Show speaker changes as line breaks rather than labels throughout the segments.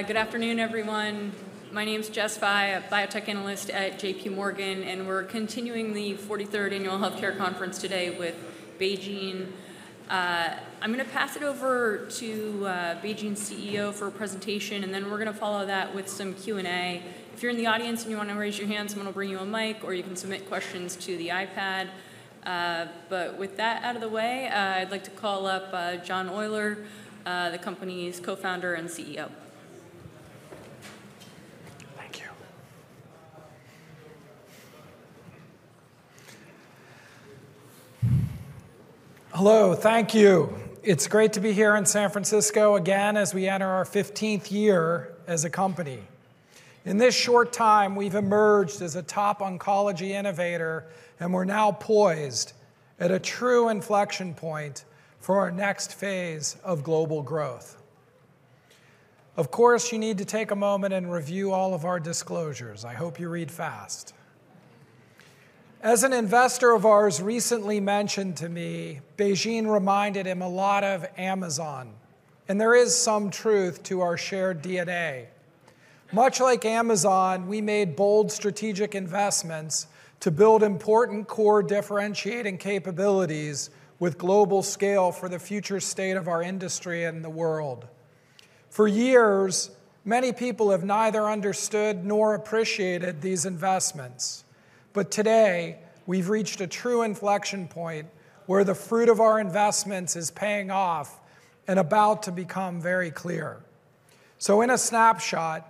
Great. Good afternoon, everyone. My name's Jessica Fye, a biotech analyst at JPMorgan, and we're continuing the 43rd Annual Healthcare Conference today with BeiGene. I'm going to pass it over to BeiGene's CEO for a presentation, and then we're going to follow that with some Q&A. If you're in the audience and you want to raise your hand, someone will bring you a mic, or you can submit questions to the iPad. But with that out of the way, I'd like to call up John Oyler, the company's co-founder and CEO.
Thank you.
Hello. Thank you. It's great to be here in San Francisco again as we enter our 15th year as a company. In this short time, we've emerged as a top oncology innovator, and we're now poised at a true inflection point for our next phase of global growth. Of course, you need to take a moment and review all of our disclosures. I hope you read fast. As an investor of ours recently mentioned to me, BeiGene reminded him a lot of Amazon, and there is some truth to our shared DNA. Much like Amazon, we made bold strategic investments to build important core differentiating capabilities with global scale for the future state of our industry and the world. For years, many people have neither understood nor appreciated these investments, but today we've reached a true inflection point where the fruit of our investments is paying off and about to become very clear. So in a snapshot,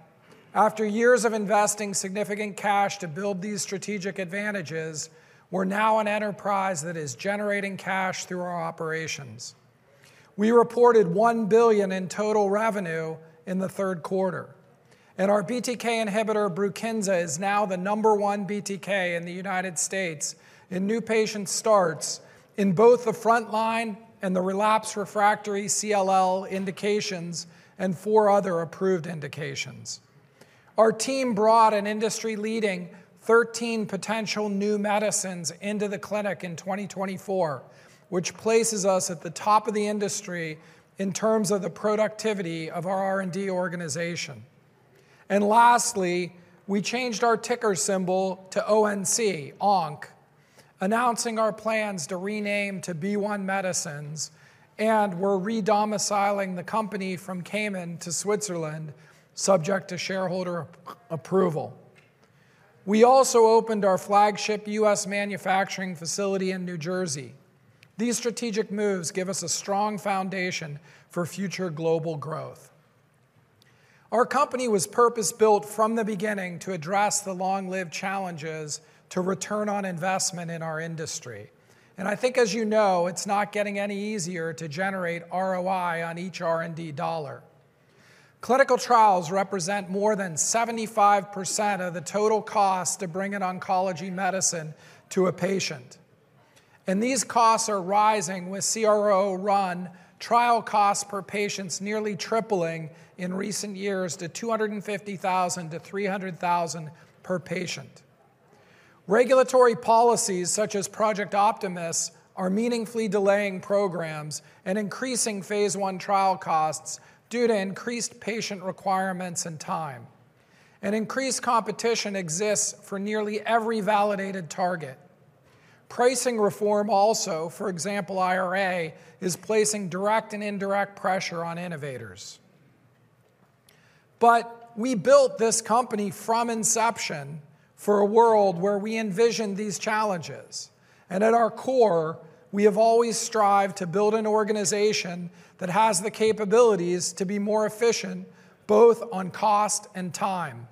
after years of investing significant cash to build these strategic advantages, we're now an enterprise that is generating cash through our operations. We reported $1 billion in total revenue in the third quarter, and our BTK inhibitor, Brukinsa, is now the number one BTK in the United States in new patient starts in both the front line and the relapse refractory CLL indications and four other approved indications. Our team brought an industry-leading 13 potential new medicines into the clinic in 2024, which places us at the top of the industry in terms of the productivity of our R&D organization. Lastly, we changed our ticker symbol to ONC, announcing our plans to rename to BeOne Medicines, and we're re-domiciling the company from Cayman to Switzerland, subject to shareholder approval. We also opened our flagship U.S. manufacturing facility in New Jersey. These strategic moves give us a strong foundation for future global growth. Our company was purpose-built from the beginning to address the long-lived challenges to return on investment in our industry. I think, as you know, it's not getting any easier to generate ROI on each R&D dollar. Clinical trials represent more than 75% of the total cost to bring an oncology medicine to a patient. These costs are rising with CRO-run trial costs per patient nearly tripling in recent years to $250,000-$300,000 per patient. Regulatory policies such as Project Optimus are meaningfully delaying programs and increasing phase I trial costs due to increased patient requirements and time, and increased competition exists for nearly every validated target. Pricing reform also, for example, IRA, is placing direct and indirect pressure on innovators, but we built this company from inception for a world where we envision these challenges, and at our core, we have always strived to build an organization that has the capabilities to be more efficient both on cost and time.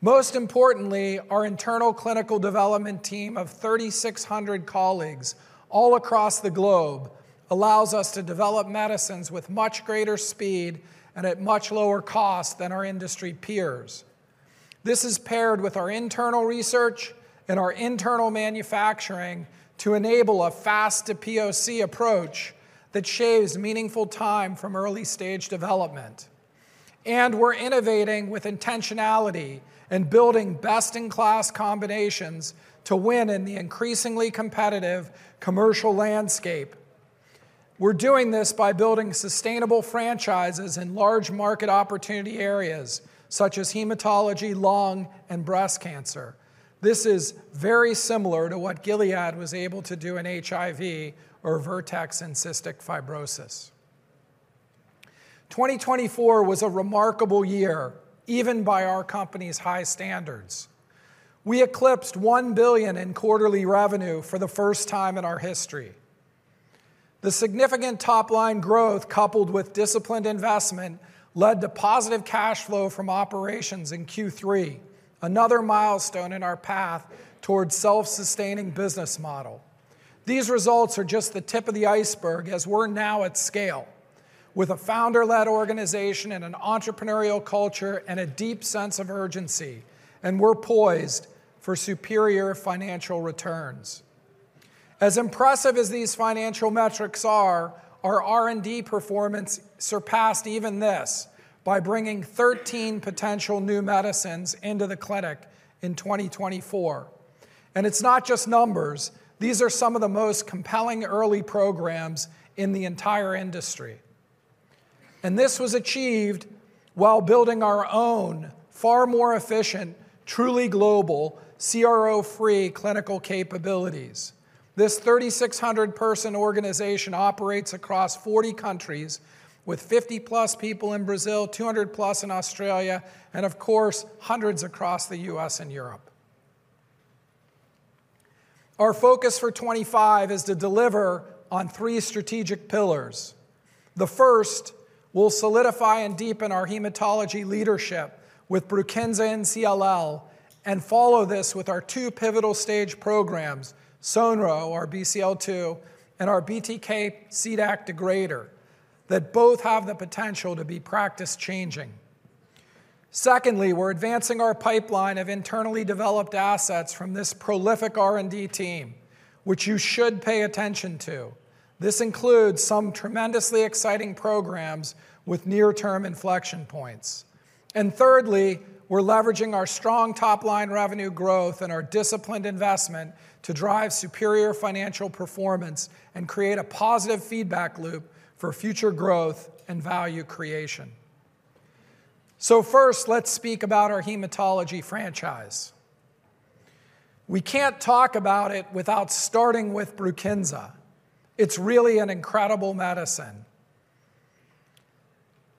Most importantly, our internal clinical development team of 3,600 colleagues all across the globe allows us to develop medicines with much greater speed and at much lower cost than our industry peers. This is paired with our internal research and our internal manufacturing to enable a fast-to-POC approach that shaves meaningful time from early-stage development. We're innovating with intentionality and building best-in-class combinations to win in the increasingly competitive commercial landscape. We're doing this by building sustainable franchises in large market opportunity areas such as hematology, lung, and breast cancer. This is very similar to what Gilead was able to do in HIV or Vertex and cystic fibrosis. 2024 was a remarkable year, even by our company's high standards. We eclipsed $1 billion in quarterly revenue for the first time in our history. The significant top-line growth, coupled with disciplined investment, led to positive cash flow from operations in Q3, another milestone in our path toward a self-sustaining business model. These results are just the tip of the iceberg as we're now at scale with a founder-led organization and an entrepreneurial culture and a deep sense of urgency, and we're poised for superior financial returns. As impressive as these financial metrics are, our R&D performance surpassed even this by bringing 13 potential new medicines into the clinic in 2024. And it's not just numbers. These are some of the most compelling early programs in the entire industry. And this was achieved while building our own far more efficient, truly global, CRO-free clinical capabilities. This 3,600-person organization operates across 40 countries, with 50+ people in Brazil, 200+ in Australia, and of course, hundreds across the U.S. and Europe. Our focus for 2025 is to deliver on three strategic pillars. The first, we'll solidify and deepen our hematology leadership with Brukinsa and CLL and follow this with our two pivotal stage programs, Sonro, our BCL2, and our BTK-CDAC degrader, that both have the potential to be practice-changing. Secondly, we're advancing our pipeline of internally developed assets from this prolific R&D team, which you should pay attention to. This includes some tremendously exciting programs with near-term inflection points. And thirdly, we're leveraging our strong top-line revenue growth and our disciplined investment to drive superior financial performance and create a positive feedback loop for future growth and value creation. So first, let's speak about our hematology franchise. We can't talk about it without starting with Brukinsa. It's really an incredible medicine.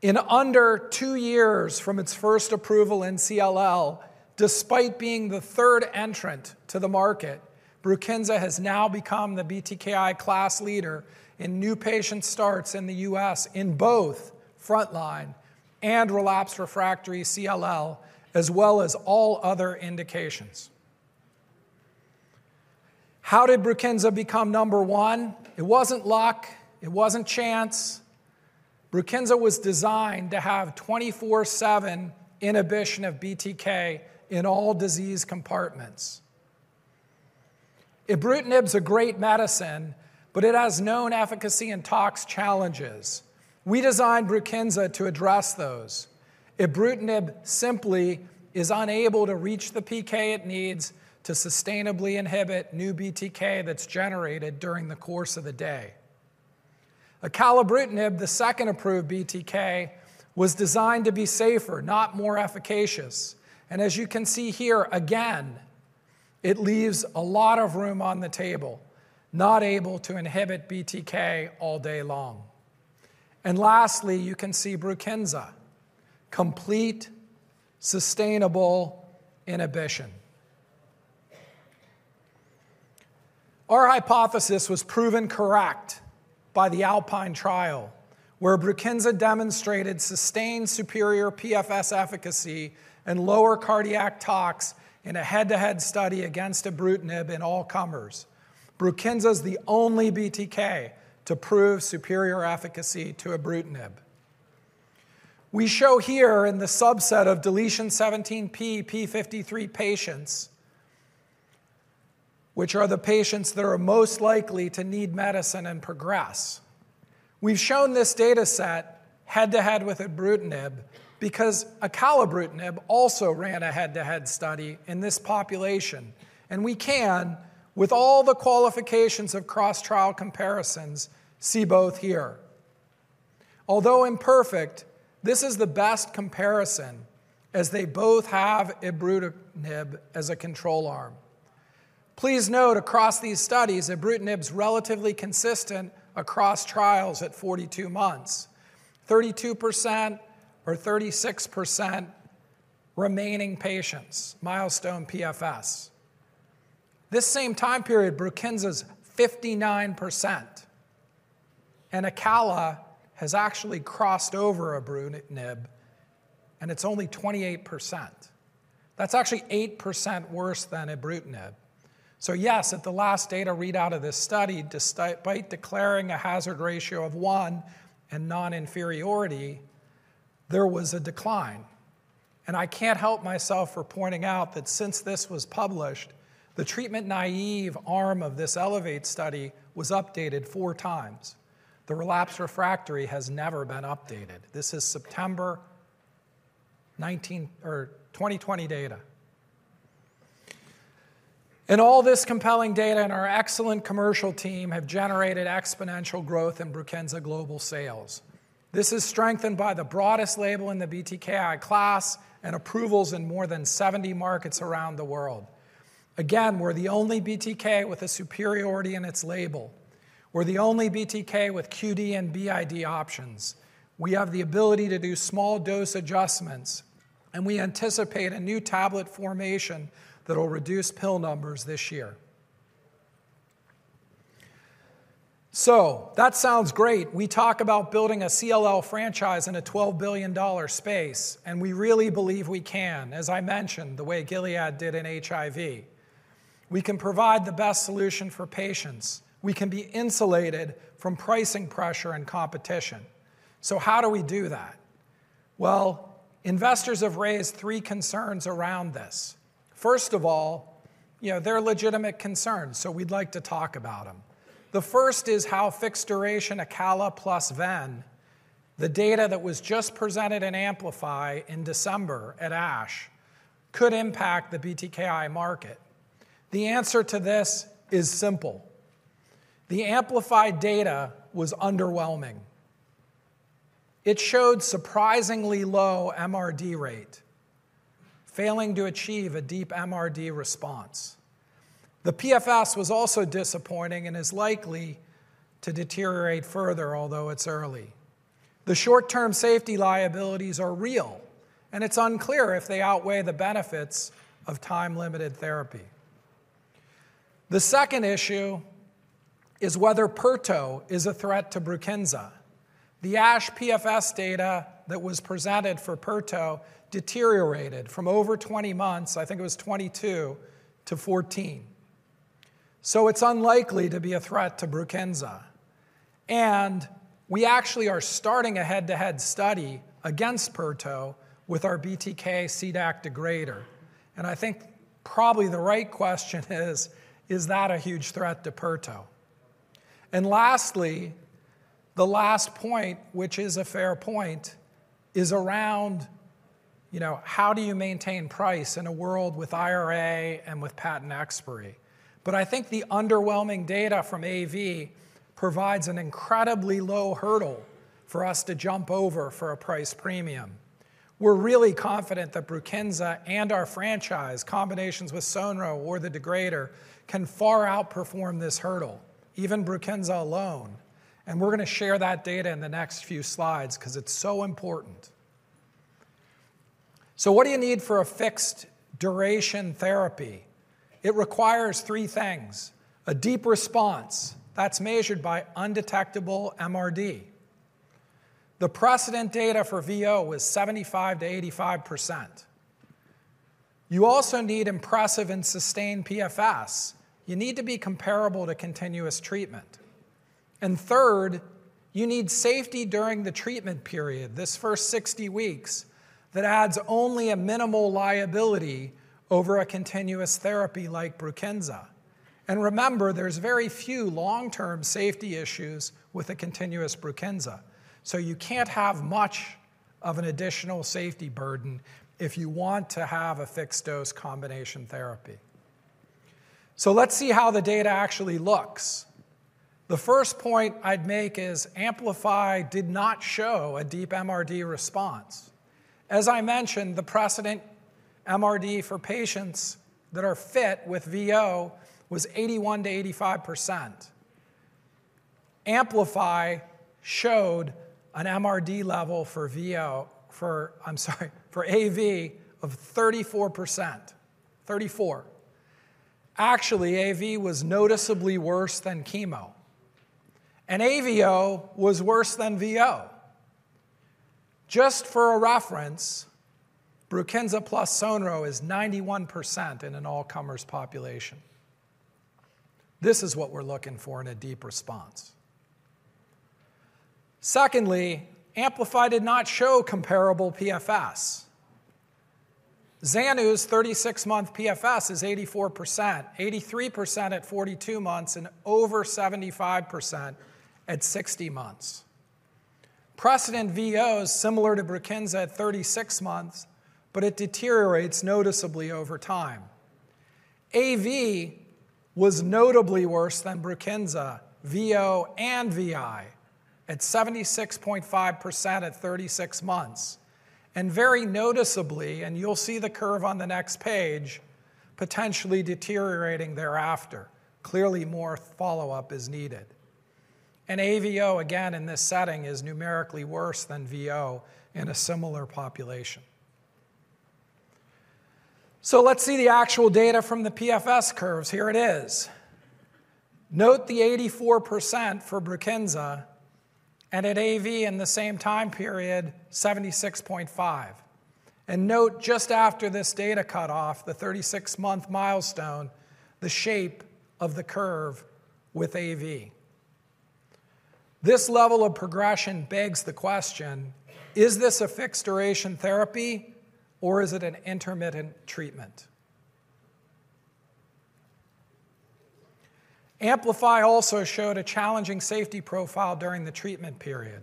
In under two years from its first approval in CLL, despite being the third entrant to the market, Brukinsa has now become the BTKI class leader in new patient starts in the U.S. in both front line and relapse refractory CLL, as well as all other indications. How did Brukinsa become number one? It wasn't luck. It wasn't chance. Brukinsa was designed to have 24/7 inhibition of BTK in all disease compartments. Ibrutinib is a great medicine, but it has known efficacy and tox challenges. We designed Brukinsa to address those. Ibrutinib simply is unable to reach the PK it needs to sustainably inhibit new BTK that's generated during the course of the day. Acalabrutinib, the second approved BTK, was designed to be safer, not more efficacious, and as you can see here, again, it leaves a lot of room on the table, not able to inhibit BTK all day long, and lastly, you can see Brukinsa, complete, sustainable inhibition. Our hypothesis was proven correct by the ALPINE trial, where Brukinsa demonstrated sustained superior PFS efficacy and lower cardiac tox in a head-to-head study against ibrutinib in all comers. Brukinsa is the only BTK to prove superior efficacy to ibrutinib. We show here in the subset of deletion 17p p53 patients, which are the patients that are most likely to need medicine and progress. We've shown this dataset head-to-head with ibrutinib because acalabrutinib also ran a head-to-head study in this population, and we can, with all the qualifications of cross-trial comparisons, see both here. Although imperfect, this is the best comparison as they both have ibrutinib as a control arm. Please note, across these studies, ibrutinib is relatively consistent across trials at 42 months, 32% or 36% remaining patients, milestone PFS. This same time period, Brukinsa is 59%, and acala has actually crossed over ibrutinib, and it's only 28%. That's actually 8% worse than ibrutinib, so yes, at the last data readout of this study, despite declaring a hazard ratio of one and non-inferiority, there was a decline, and I can't help myself from pointing out that since this was published, the treatment naive arm of this ELEVATE study was updated 4x. The relapse refractory has never been updated. This is September 2020 data. And all this compelling data and our excellent commercial team have generated exponential growth in Brukinsa global sales. This is strengthened by the broadest label in the BTKI class and approvals in more than 70 markets around the world. Again, we're the only BTK with a superiority in its label. We're the only BTK with QD and BID options. We have the ability to do small dose adjustments, and we anticipate a new tablet formulation that will reduce pill numbers this year. So that sounds great. We talk about building a CLL franchise in a $12 billion space, and we really believe we can, as I mentioned, the way Gilead did in HIV. We can provide the best solution for patients. We can be insulated from pricing pressure and competition. So how do we do that? Well, investors have raised three concerns around this. First of all, they're legitimate concerns, so we'd like to talk about them. The first is how fixed duration acalabrutinib plus venetoclax, the data that was just presented in AMPLIFY in December at ASH, could impact the BTKI market. The answer to this is simple. The AMPLIFY data was underwhelming. It showed surprisingly low MRD rate, failing to achieve a deep MRD response. The PFS was also disappointing and is likely to deteriorate further, although it's early. The short-term safety liabilities are real, and it's unclear if they outweigh the benefits of time-limited therapy. The second issue is whether pirtobrutinib is a threat to Brukinsa. The ASH PFS data that was presented for pirtobrutinib deteriorated from over 20 months, I think it was 22 to 14. So it's unlikely to be a threat to Brukinsa, and we actually are starting a head-to-head study against pirtobrutinib with our BTK CDAC degrader. I think probably the right question is, is that a huge threat to Pirto? Lastly, the last point, which is a fair point, is around how do you maintain price in a world with IRA and with patent expiry? I think the underwhelming data from AV provides an incredibly low hurdle for us to jump over for a price premium. We're really confident that Brukinsa and our franchise, combinations with Sonro or the degrader, can far outperform this hurdle, even Brukinsa alone. We're going to share that data in the next few slides because it's so important. What do you need for a fixed duration therapy? It requires three things: a deep response that's measured by undetectable MRD. The precedent data for VO was 75%-85%. You also need impressive and sustained PFS. You need to be comparable to continuous treatment. And third, you need safety during the treatment period, this first 60 weeks, that adds only a minimal liability over a continuous therapy like Brukinsa. And remember, there's very few long-term safety issues with a continuous Brukinsa. So you can't have much of an additional safety burden if you want to have a fixed dose combination therapy. So let's see how the data actually looks. The first point I'd make is AMPLIFY did not show a deep MRD response. As I mentioned, the precedent MRD for patients that are fit with VO was 81% to 85%. AMPLIFY showed an MRD level for VO, for I'm sorry, for AV of 34%, 34. Actually, AV was noticeably worse than chemo. And AVO was worse than VO. Just for a reference, Brukinsa plus Sonro is 91% in an all-comers population. This is what we're looking for in a deep response. Secondly, AMPLIFY did not show comparable PFS. Zanu's 36-month PFS is 84%, 83% at 42 months, and over 75% at 60 months. Precedent VO is similar to Brukinsa at 36 months, but it deteriorates noticeably over time. AV was notably worse than Brukinsa, VO, and VI at 76.5% at 36 months, and very noticeably, and you'll see the curve on the next page, potentially deteriorating thereafter. Clearly, more follow-up is needed, and AVO, again, in this setting, is numerically worse than VO in a similar population, so let's see the actual data from the PFS curves. Here it is. Note the 84% for Brukinsa, and at AV in the same time period, 76.5%, and note just after this data cutoff, the 36-month milestone, the shape of the curve with AV. This level of progression begs the question, is this a fixed duration therapy, or is it an intermittent treatment? AMPLIFY also showed a challenging safety profile during the treatment period.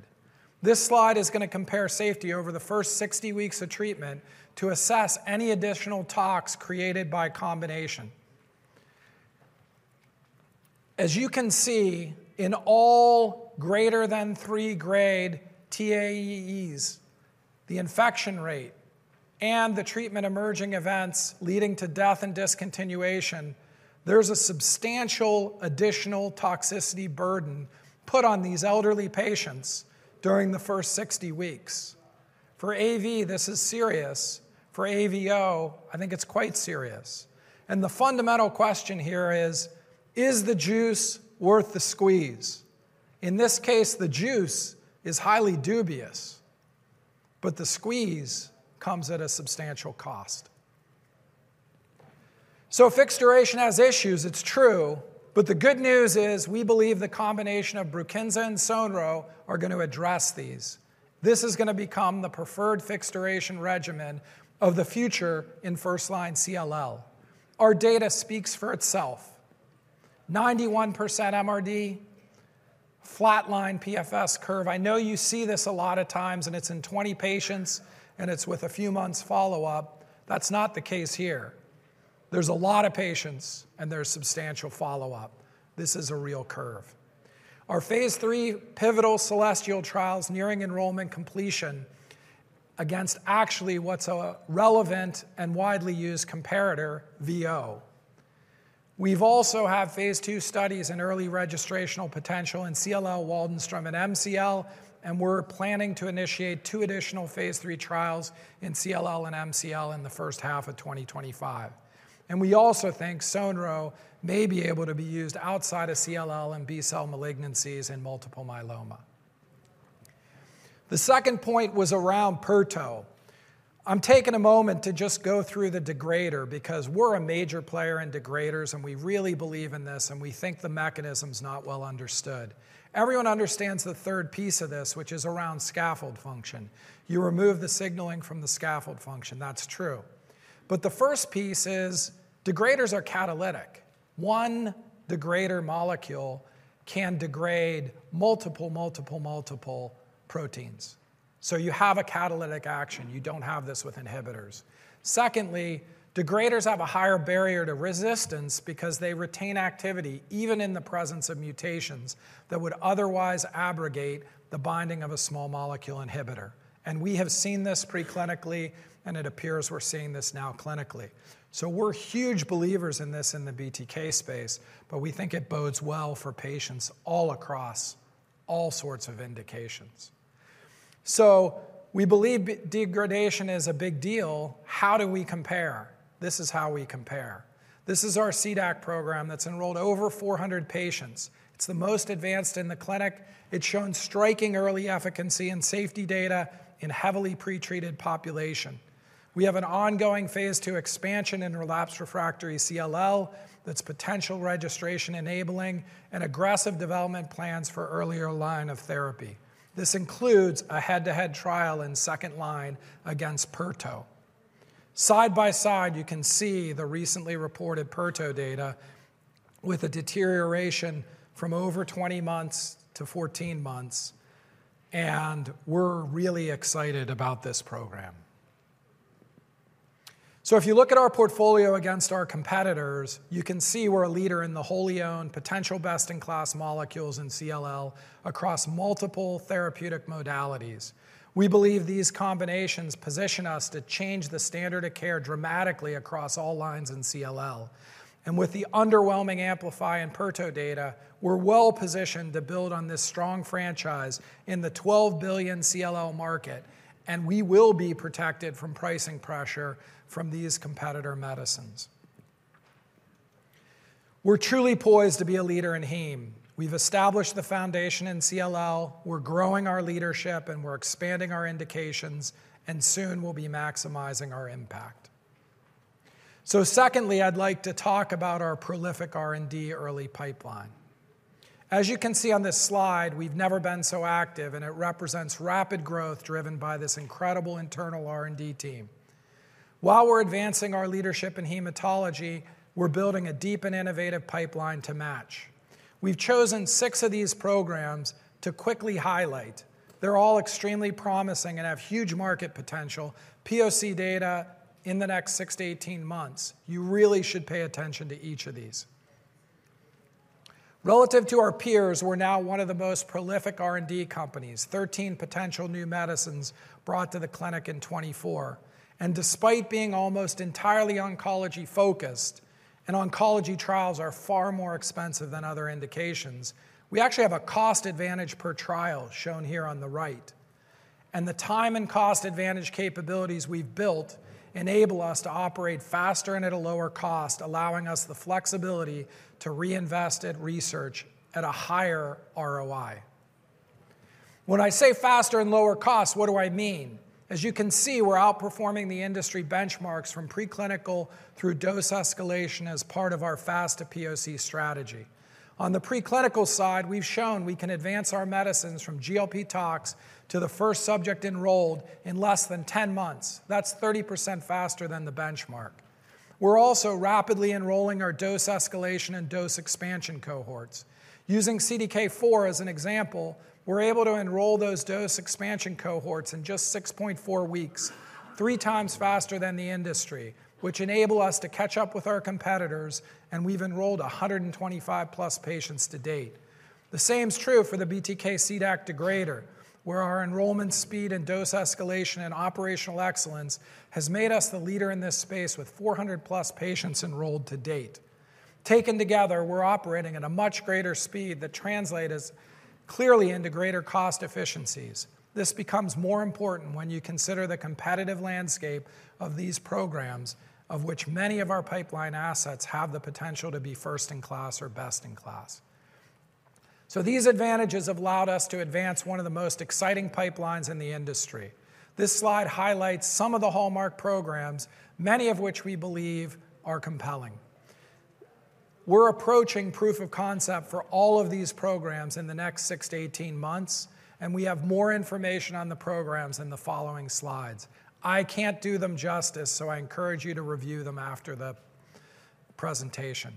This slide is going to compare safety over the first 60 weeks of treatment to assess any additional tox created by combination. As you can see, in all greater than three-grade TEAEs, the infection rate and the treatment emerging events leading to death and discontinuation, there's a substantial additional toxicity burden put on these elderly patients during the first 60 weeks. For AV, this is serious. For AVO, I think it's quite serious, and the fundamental question here is, is the juice worth the squeeze? In this case, the juice is highly dubious, but the squeeze comes at a substantial cost, so fixed duration has issues, it's true, but the good news is we believe the combination of Brukinsa and Sonro are going to address these. This is going to become the preferred fixed duration regimen of the future in first-line CLL. Our data speaks for itself. 91% MRD, flatline PFS curve. I know you see this a lot of times, and it's in 20 patients, and it's with a few months follow-up. That's not the case here. There's a lot of patients, and there's substantial follow-up. This is a real curve. Our phase III pivotal sonrotoclax trials nearing enrollment completion against actually what's a relevant and widely used comparator, VO. We've also had phase II studies in early registrational potential in CLL, Waldenström, and MCL, and we're planning to initiate two additional phase III trials in CLL and MCL in the first half of 2025. And we also think Sonro may be able to be used outside of CLL and B-cell malignancies in multiple myeloma. The second point was around pirtobrutinib. I'm taking a moment to just go through the degrader because we're a major player in degraders, and we really believe in this, and we think the mechanism's not well understood. Everyone understands the third piece of this, which is around scaffold function. You remove the signaling from the scaffold function. That's true. But the first piece is degraders are catalytic. One degrader molecule can degrade multiple, multiple, multiple proteins. So you have a catalytic action. You don't have this with inhibitors. Secondly, degraders have a higher barrier to resistance because they retain activity even in the presence of mutations that would otherwise abrogate the binding of a small molecule inhibitor. And we have seen this preclinically, and it appears we're seeing this now clinically. So we're huge believers in this in the BTK space, but we think it bodes well for patients all across all sorts of indications. So we believe degradation is a big deal. How do we compare? This is how we compare. This is our CDAC program that's enrolled over 400 patients. It's the most advanced in the clinic. It's shown striking early efficacy and safety data in heavily pretreated population. We have an ongoing phase II expansion in relapse refractory CLL that's potential registration enabling and aggressive development plans for earlier line of therapy. This includes a head-to-head trial in second line against Pirto. Side by side, you can see the recently reported Pirto data with a deterioration from over 20 months to 14 months, and we're really excited about this program. So if you look at our portfolio against our competitors, you can see we're a leader in the wholly owned potential best-in-class molecules in CLL across multiple therapeutic modalities. We believe these combinations position us to change the standard of care dramatically across all lines in CLL. And with the underwhelming AMPLIFY and Pirto data, we're well positioned to build on this strong franchise in the $12 billion CLL market, and we will be protected from pricing pressure from these competitor medicines. We're truly poised to be a leader in heme. We've established the foundation in CLL. We're growing our leadership, and we're expanding our indications, and soon we'll be maximizing our impact. So secondly, I'd like to talk about our prolific R&D early pipeline. As you can see on this slide, we've never been so active, and it represents rapid growth driven by this incredible internal R&D team. While we're advancing our leadership in hematology, we're building a deep and innovative pipeline to match. We've chosen six of these programs to quickly highlight. They're all extremely promising and have huge market potential. POC data in the next 6 to 18 months. You really should pay attention to each of these. Relative to our peers, we're now one of the most prolific R&D companies, 13 potential new medicines brought to the clinic in 2024, and despite being almost entirely oncology-focused, and oncology trials are far more expensive than other indications, we actually have a cost advantage per trial shown here on the right, and the time and cost advantage capabilities we've built enable us to operate faster and at a lower cost, allowing us the flexibility to reinvest in research at a higher ROI. When I say faster and lower cost, what do I mean? As you can see, we're outperforming the industry benchmarks from preclinical through dose escalation as part of our fast to POC strategy. On the preclinical side, we've shown we can advance our medicines from GLP tox to the first subject enrolled in less than 10 months. That's 30% faster than the benchmark. We're also rapidly enrolling our dose escalation and dose expansion cohorts. Using CDK4 as an example, we're able to enroll those dose expansion cohorts in just 6.4 weeks, 3x faster than the industry, which enables us to catch up with our competitors, and we've enrolled 125+ patients to date. The same is true for the BTK-CDAC degrader, where our enrollment speed and dose escalation and operational excellence has made us the leader in this space with 400+ patients enrolled to date. Taken together, we're operating at a much greater speed that translates clearly into greater cost efficiencies. This becomes more important when you consider the competitive landscape of these programs, of which many of our pipeline assets have the potential to be first-in-class or best-in-class. So these advantages have allowed us to advance one of the most exciting pipelines in the industry. This slide highlights some of the hallmark programs, many of which we believe are compelling. We're approaching proof of concept for all of these programs in the next six to 18 months, and we have more information on the programs in the following slides. I can't do them justice, so I encourage you to review them after the presentation.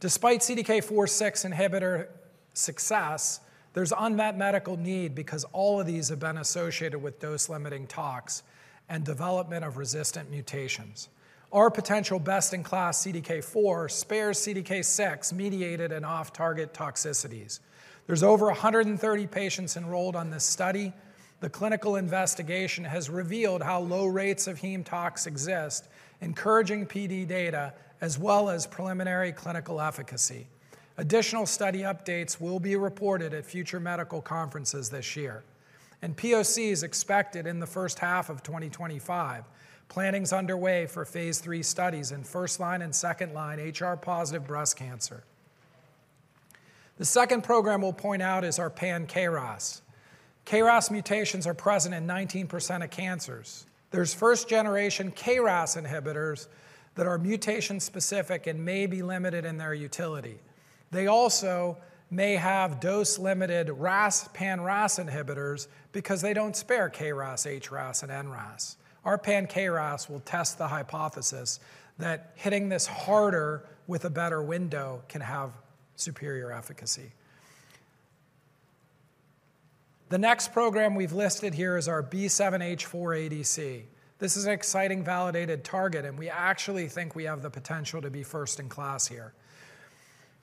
Despite CDK4/6 inhibitor success, there's unmet medical need because all of these have been associated with dose-limiting tox and development of resistant mutations. Our potential best-in-class CDK4 spares CDK6 mediated and off-target toxicities. There's over 130 patients enrolled on this study. The clinical investigation has revealed how low rates of heme tox exist, encouraging PD data as well as preliminary clinical efficacy. Additional study updates will be reported at future medical conferences this year, and POC is expected in the first half of 2025. Planning is underway for phase III studies in first-line and second-line HR-positive breast cancer. The second program we'll point out is our pan-KRAS. KRAS mutations are present in 19% of cancers. There's first-generation KRAS inhibitors that are mutation-specific and may be limited in their utility. They also may have dose-limited RAS pan-RAS inhibitors because they don't spare KRAS, HRAS, and NRAS. Our pan-KRAS will test the hypothesis that hitting this harder with a better window can have superior efficacy. The next program we've listed here is our B7-H4 ADC. This is an exciting validated target, and we actually think we have the potential to be first-in-class here.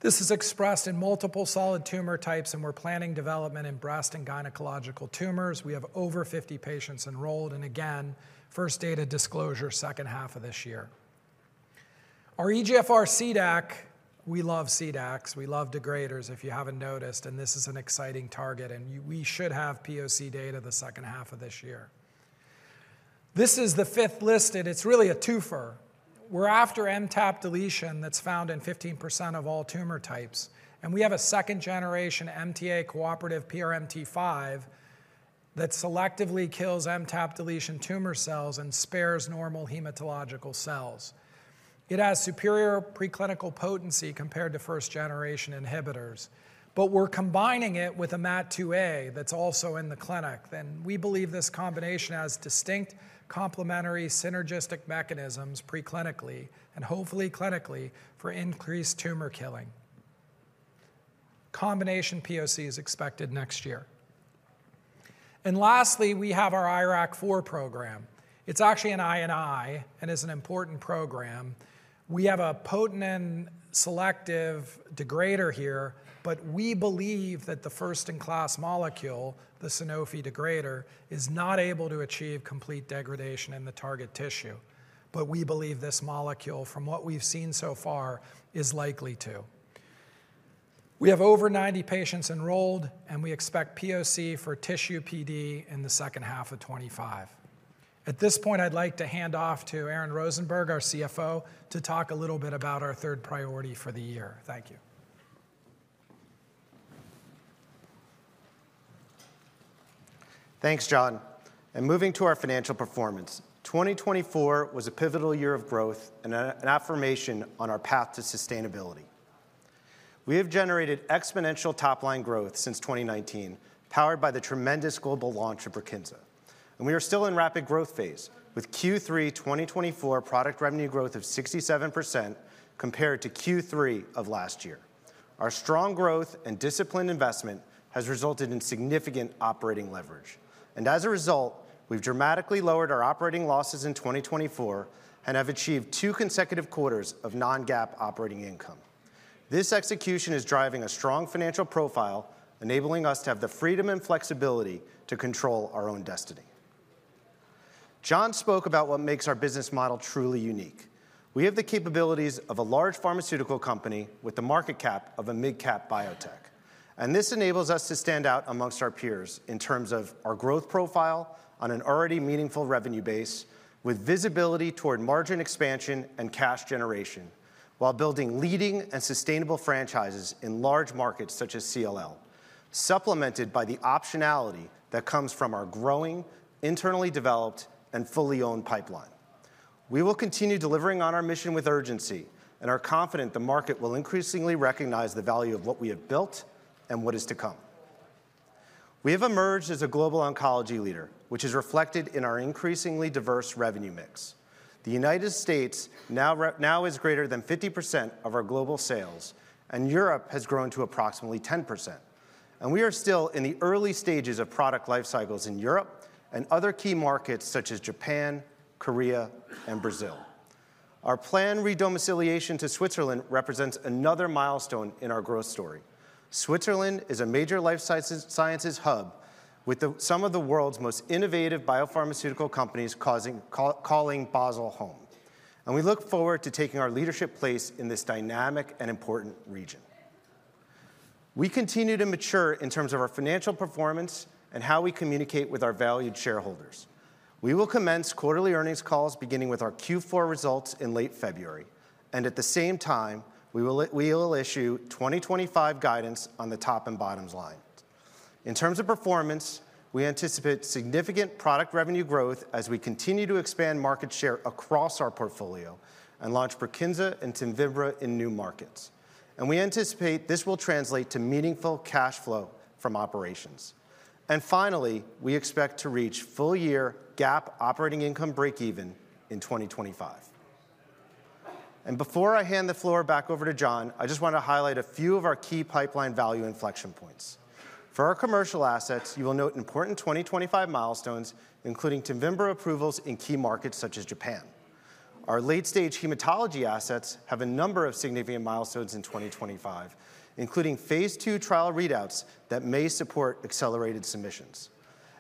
This is expressed in multiple solid tumor types, and we're planning development in breast and gynecological tumors. We have over 50 patients enrolled, and again, first data disclosure second half of this year. Our EGFR CDAC, we love CDACs. We love degraders, if you haven't noticed, and this is an exciting target, and we should have POC data the second half of this year. This is the fifth listed, it's really a twofer. We're after MTAP deletion that's found in 15% of all tumor types, and we have a second-generation MTA cooperative PRMT5 that selectively kills MTAP deletion tumor cells and spares normal hematological cells. It has superior preclinical potency compared to first-generation inhibitors, but we're combining it with a MAT2A that's also in the clinic, and we believe this combination has distinct complementary synergistic mechanisms preclinically and hopefully clinically for increased tumor killing. Combination POC is expected next year. Lastly, we have our IRAK4 program. It's actually an IND and is an important program. We have a potent and selective degrader here, but we believe that the first-in-class molecule, the Sanofi degrader, is not able to achieve complete degradation in the target tissue, but we believe this molecule, from what we've seen so far, is likely to. We have over 90 patients enrolled, and we expect POC for tissue PD in the second half of 2025. At this point, I'd like to hand off to Aaron Rosenberg, our CFO, to talk a little bit about our third priority for the year. Thank you.
Thanks, John. And moving to our financial performance, 2024 was a pivotal year of growth and an affirmation on our path to sustainability. We have generated exponential top-line growth since 2019, powered by the tremendous global launch of Brukinsa. And we are still in rapid growth phase with Q3 2024 product revenue growth of 67% compared to Q3 of last year. Our strong growth and disciplined investment has resulted in significant operating leverage. And as a result, we've dramatically lowered our operating losses in 2024 and have achieved two consecutive quarters of non-GAAP operating income. This execution is driving a strong financial profile, enabling us to have the freedom and flexibility to control our own destiny. John spoke about what makes our business model truly unique. We have the capabilities of a large pharmaceutical company with a market cap of a mid-cap biotech. And this enables us to stand out among our peers in terms of our growth profile on an already meaningful revenue base with visibility toward margin expansion and cash generation while building leading and sustainable franchises in large markets such as CLL, supplemented by the optionality that comes from our growing, internally developed, and fully owned pipeline. We will continue delivering on our mission with urgency, and are confident the market will increasingly recognize the value of what we have built and what is to come. We have emerged as a global oncology leader, which is reflected in our increasingly diverse revenue mix. The United States now is greater than 50% of our global sales, and Europe has grown to approximately 10%, and we are still in the early stages of product life cycles in Europe and other key markets such as Japan, Korea, and Brazil. Our planned re-domiciliation to Switzerland represents another milestone in our growth story. Switzerland is a major life sciences hub with some of the world's most innovative biopharmaceutical companies calling Basel home. And we look forward to taking our leadership place in this dynamic and important region. We continue to mature in terms of our financial performance and how we communicate with our valued shareholders. We will commence quarterly earnings calls beginning with our Q4 results in late February. And at the same time, we will issue 2025 guidance on the top and bottom line. In terms of performance, we anticipate significant product revenue growth as we continue to expand market share across our portfolio and launch Brukinsa and Tevimbra in new markets. And we anticipate this will translate to meaningful cash flow from operations. And finally, we expect to reach full-year GAAP operating income breakeven in 2025. Before I hand the floor back over to John, I just want to highlight a few of our key pipeline value inflection points. For our commercial assets, you will note important 2025 milestones, including Tevimbra approvals in key markets such as Japan. Our late-stage hematology assets have a number of significant milestones in 2025, including phase II trial readouts that may support accelerated submissions,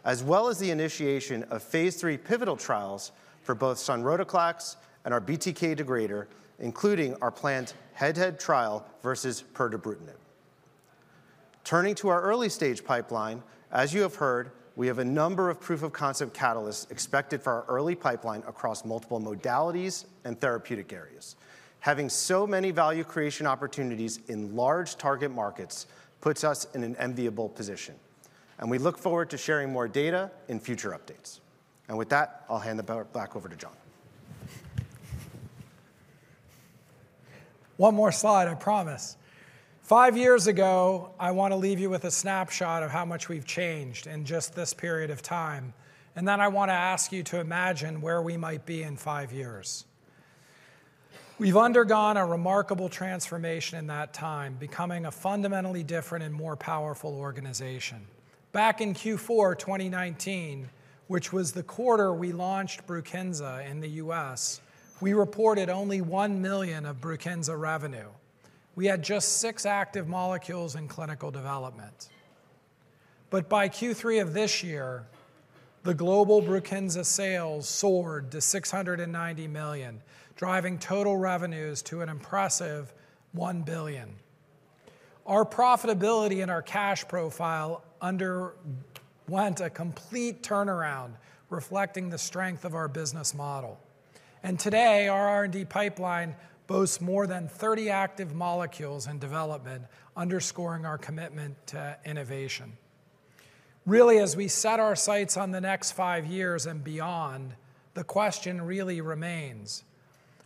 as well as the initiation of phase III pivotal trials for both sonrotoclax and our BTK degrader, including our planned head-to-head trial versus pirtobrutinib. Turning to our early-stage pipeline, as you have heard, we have a number of proof of concept catalysts expected for our early pipeline across multiple modalities and therapeutic areas. Having so many value creation opportunities in large target markets puts us in an enviable position. We look forward to sharing more data in future updates. With that, I'll hand it back over to John.
One more slide, I promise. Five years ago, I want to leave you with a snapshot of how much we've changed in just this period of time. And then I want to ask you to imagine where we might be in five years. We've undergone a remarkable transformation in that time, becoming a fundamentally different and more powerful organization. Back in Q4 2019, which was the quarter we launched Brukinsa in the U.S., we reported only $1 million of Brukinsa revenue. We had just six active molecules in clinical development. But by Q3 of this year, the global Brukinsa sales soared to $690 million, driving total revenues to an impressive $1 billion. Our profitability and our cash profile underwent a complete turnaround, reflecting the strength of our business model. And today, our R&D pipeline boasts more than 30 active molecules in development, underscoring our commitment to innovation. Really, as we set our sights on the next five years and beyond, the question really remains: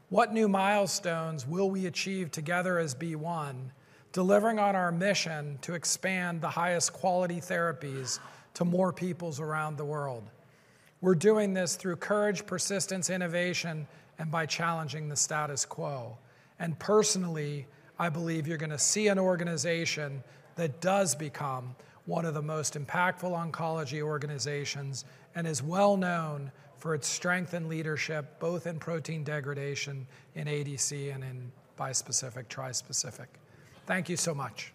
What new milestones will we achieve together as BeOne, delivering on our mission to expand the highest quality therapies to more people around the world? We're doing this through courage, persistence, innovation, and by challenging the status quo. And personally, I believe you're going to see an organization that does become one of the most impactful oncology organizations and is well-known for its strength and leadership, both in protein degradation in ADC and in bispecific, trispecific. Thank you so much.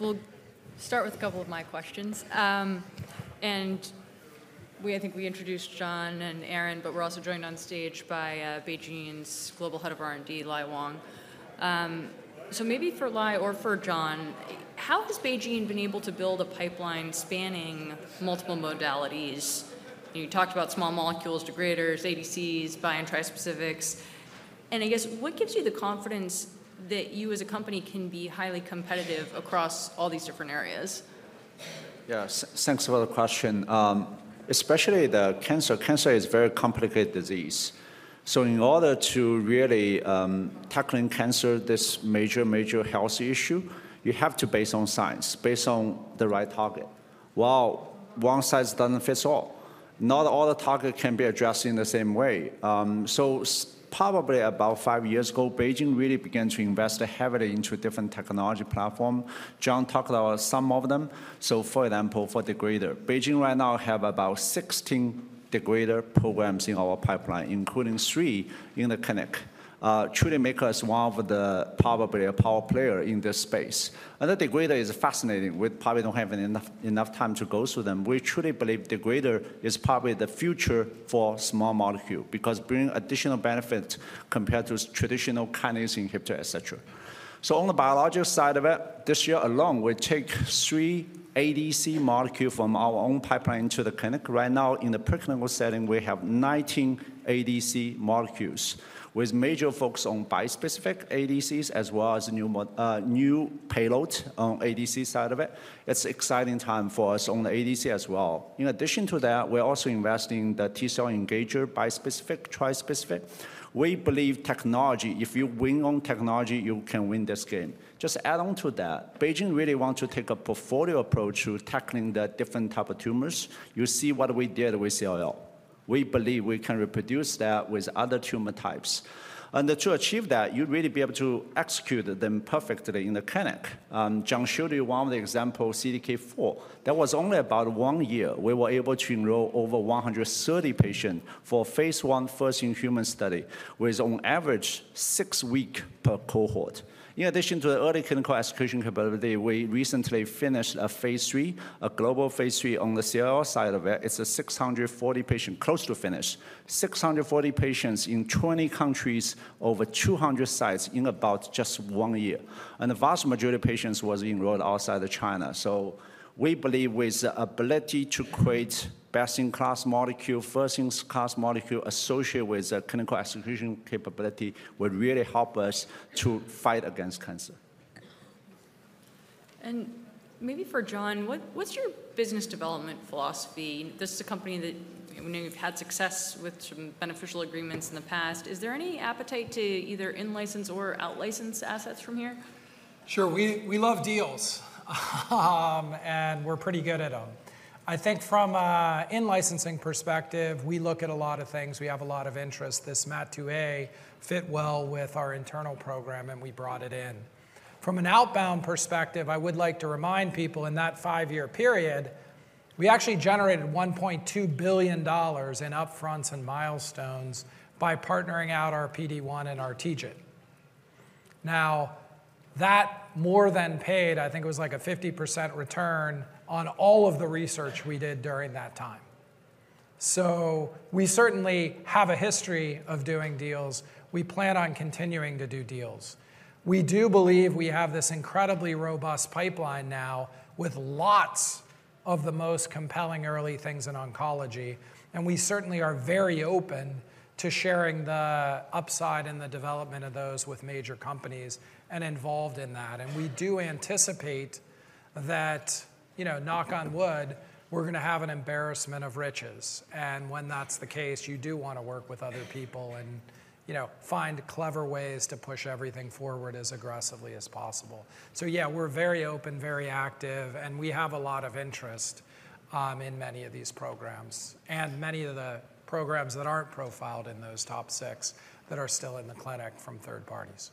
So we'll start with a couple of my questions. And I think we introduced John and Aaron, but we're also joined on stage by BeiGene's global head of R&D, Lai Wang. So maybe for Lai or for John, how has BeiGene been able to build a pipeline spanning multiple modalities? You talked about small molecules, degraders, ADCs, bi- and trispecifics. And I guess, what gives you the confidence that you as a company can be highly competitive across all these different areas?
Yeah, thanks for the question. Especially the cancer. Cancer is a very complicated disease. So in order to really tackle cancer, this major, major health issue, you have to base on science, based on the right target. While one size doesn't fit all, not all the targets can be addressed in the same way. So probably about five years ago, BeiGene really began to invest heavily into different technology platforms. John talked about some of them. So for example, for degrader, BeiGene right now has about 16 degrader programs in our pipeline, including three in the clinic. Truly makes us one of the probably a power player in this space. And the degrader is fascinating. We probably don't have enough time to go through them. We truly believe degrader is probably the future for small molecules because it brings additional benefits compared to traditional kinase inhibitors, etc. So on the biological side of it, this year alone, we take three ADC molecules from our own pipeline into the clinic. Right now, in the preclinical setting, we have 19 ADC molecules with major focus on bispecific ADCs as well as new payloads on the ADC side of it. It's an exciting time for us on the ADC as well. In addition to that, we're also investing in the T-cell engager, bispecific, trispecific. We believe technology, if you win on technology, you can win this game. Just add on to that, BeiGene really wants to take a portfolio approach to tackling the different types of tumors. You see what we did with CLL. We believe we can reproduce that with other tumor types, and to achieve that, you really be able to execute them perfectly in the clinic. John showed you one of the examples, CDK4. That was only about one year. We were able to enroll over 130 patients for phase I first-in-human study, with on average six weeks per cohort. In addition to the early clinical execution capability, we recently finished a phase III, a global phase III on the CLL side of it. It's 640 patients close to finished, 640 patients in 20 countries, over 200 sites in about just one year, and the vast majority of patients were enrolled outside of China, so we believe with the ability to create best-in-class molecules, first-in-class molecules associated with clinical execution capability will really help us to fight against cancer.
Maybe for John, what's your business development philosophy? This is a company that we know you've had success with some beneficial agreements in the past. Is there any appetite to either in-license or out-license assets from here?
Sure. We love deals, and we're pretty good at them. I think from an in-licensing perspective, we look at a lot of things. We have a lot of interest. This MAT2A fit well with our internal program, and we brought it in. From an outbound perspective, I would like to remind people in that five-year period, we actually generated $1.2 billion in upfronts and milestones by partnering out our PD-1 and our TIGIT. Now, that more than paid, I think it was like a 50% return on all of the research we did during that time. So we certainly have a history of doing deals. We plan on continuing to do deals. We do believe we have this incredibly robust pipeline now with lots of the most compelling early things in oncology. We certainly are very open to sharing the upside and the development of those with major companies and involved in that. We do anticipate that, knock on wood, we're going to have an embarrassment of riches. When that's the case, you do want to work with other people and find clever ways to push everything forward as aggressively as possible. Yeah, we're very open, very active, and we have a lot of interest in many of these programs and many of the programs that aren't profiled in those top six that are still in the clinic from third parties.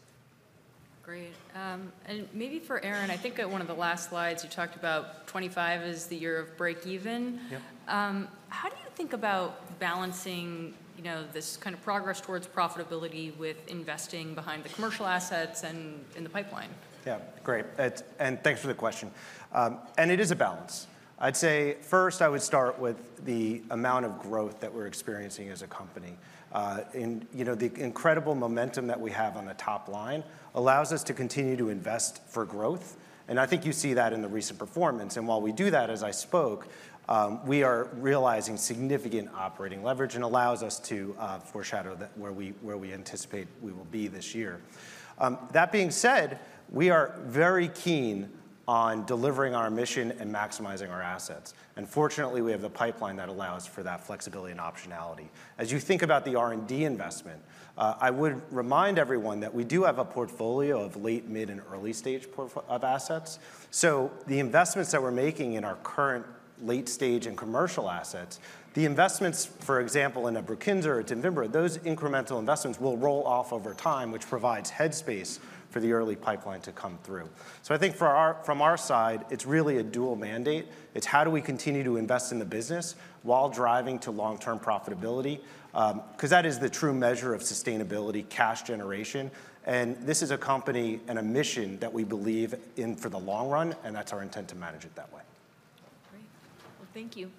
Great. And maybe for Aaron, I think at one of the last slides, you talked about 2025 is the year of breakeven. How do you think about balancing this kind of progress towards profitability with investing behind the commercial assets and in the pipeline?
Yeah, great. And thanks for the question. And it is a balance. I'd say first, I would start with the amount of growth that we're experiencing as a company. The incredible momentum that we have on the top line allows us to continue to invest for growth. And I think you see that in the recent performance. And while we do that, as I spoke, we are realizing significant operating leverage and allows us to foreshadow where we anticipate we will be this year. That being said, we are very keen on delivering our mission and maximizing our assets. And fortunately, we have a pipeline that allows for that flexibility and optionality. As you think about the R&D investment, I would remind everyone that we do have a portfolio of late, mid, and early stage of assets. So the investments that we're making in our current late stage and commercial assets, the investments, for example, in a Brukinsa or a Tevimbra, those incremental investments will roll off over time, which provides headspace for the early pipeline to come through. So I think from our side, it's really a dual mandate. It's how do we continue to invest in the business while driving to long-term profitability? Because that is the true measure of sustainability, cash generation. And this is a company and a mission that we believe in for the long run, and that's our intent to manage it that way.
Great. Well, thank you.